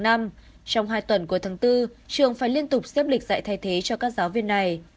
trong hai tuần cuối tháng bốn trường phải liên tục xếp lịch dạy thay thế cho các giáo viên này